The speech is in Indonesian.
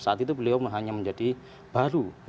saat itu beliau hanya menjadi baru